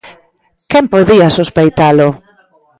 Quen podía sospeitalo!